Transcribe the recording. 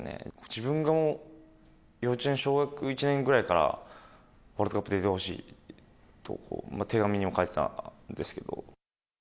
自分が幼稚園、小学１年ぐらいから、ワールドカップに出てほしいと手紙にも書いてたんですけど。